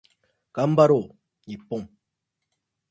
頑張ろう日本